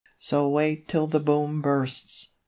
So wait till the Boom bursts!